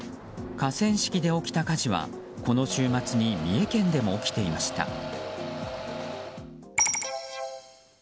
河川敷で起きた火事はこの週末に三重県でも起きていました。